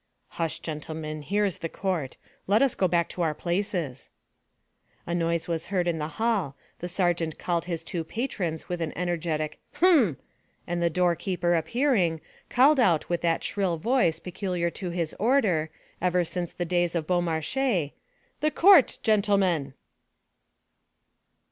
"Hush, gentlemen, here is the court; let us go back to our places." A noise was heard in the hall; the sergeant called his two patrons with an energetic "hem!" and the door keeper appearing, called out with that shrill voice peculiar to his order, ever since the days of Beaumarchais: "The court, gentlemen!"